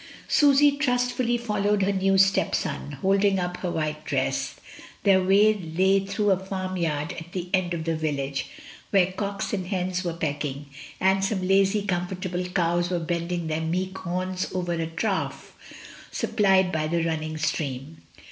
Susy trustfully followed her new stepson, holding up her white dress. Their way lay through a farm yard at the end of the village, where cocks and hens were pecking, and some lazy, comfortable cows were bending their meek horns over a trough sup plied by the running stream.